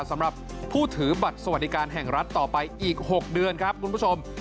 สำหรับผู้ถือบัตรสวัสดิการแห่งรัฐต่อไปอีก๖เดือนครับคุณผู้ชม